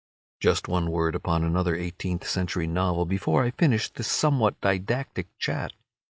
Just one word upon another eighteenth century novel before I finish this somewhat didactic chat.